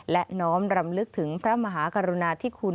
และน้อมรำลึกถึงพระมหากรุณาธิคุณ